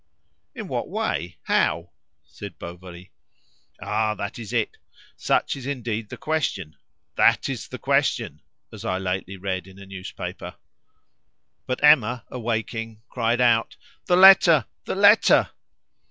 "In what way? How?" said Bovary. "Ah! that is it. Such is indeed the question. 'That is the question,' as I lately read in a newspaper." But Emma, awaking, cried out "The letter! the letter!"